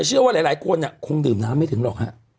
เชื่อว่าหลายคนคงดื่มน้ำไม่ถึงหรอกฮะ